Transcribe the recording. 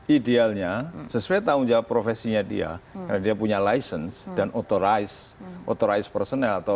idealnya sesuai tanggung jawab profesinya dia karena dia punya license dan authorize authorized personal atau